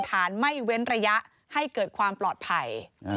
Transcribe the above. ฐานไม่เว้นระยะให้เกิดความปลอดภัย